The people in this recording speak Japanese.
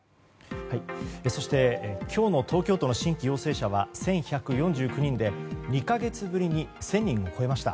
今日の東京都の新規陽性者は１１４９人で、２か月ぶりに１０００人を超えました。